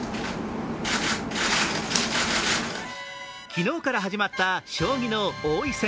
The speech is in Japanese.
昨日から始まった将棋の王位戦